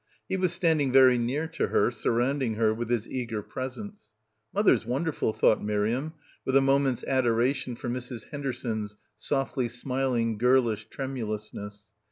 He was standing very near to her, surrounding her with his eager presence. "Mother's wonderful," thought Miriam, with a moment's adoration for Mrs. Henderson's softly smiling girlish tremulousness.